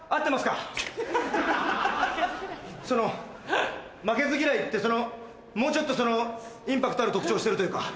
その「負けず嫌い」ってもうちょっとそのインパクトある特徴してるというか。